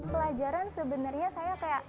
pelajaran sebenernya saya kayak apa ya fleksibel